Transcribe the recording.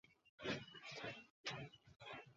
আমরা পোল্যান্ড ফিরে যাচ্ছি।